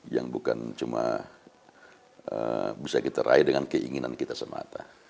yang bukan cuma bisa kita raih dengan keinginan kita semata